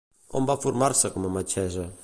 On va formar-se com a metgessa?